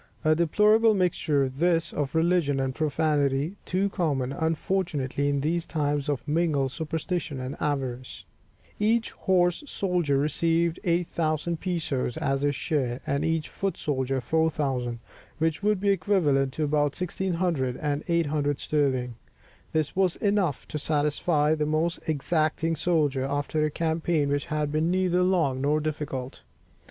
A deplorable mixture this of religion and profanity, too common unfortunately, in these times of mingled superstition and avarice. Each horse soldier received 8000 pesos as his share, and each foot soldier 4000, which would be equivalent to about 1600_l._ and 800_l._ sterling. This was enough to satisfy the most exacting soldier, after a campaign which had been neither long nor difficult.